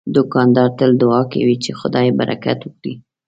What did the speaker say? دوکاندار تل دعا کوي چې خدای برکت ورکړي.